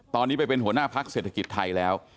ตอนนี้ไปเป็นหัวหน้าพักเศรษฐกิจไทยแล้ว